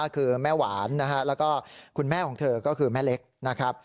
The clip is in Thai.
คือแม่หวานนะฮะแล้วก็คุณแม่ของเธอก็คือแม่เล็กนะครับ